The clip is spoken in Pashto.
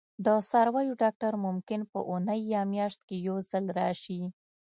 د څارویو ډاکټر ممکن په اونۍ یا میاشت کې یو ځل راشي